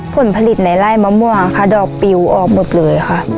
ผลผลิตในไล่มะม่วงค่ะดอกปิวออกหมดเลยค่ะ